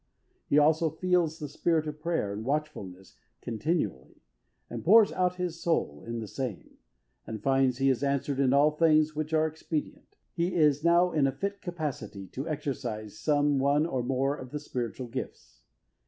He also feels the spirit of prayer and watchfulness continually, and pours out his soul in the same, and finds he is answered in all things which are expedient. He is now in a fit capacity to exercise some one or more of the spiritual gifts.